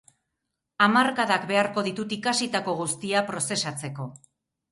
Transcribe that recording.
Hamarkadak beharko ditut ikasitako guztia prozesatzeko.